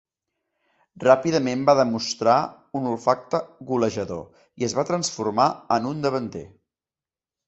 Ràpidament va demostrar un olfacte golejador i es va transformar en un davanter.